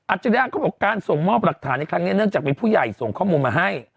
จริยะเขาบอกการส่งมอบหลักฐานในครั้งนี้เนื่องจากมีผู้ใหญ่ส่งข้อมูลมาให้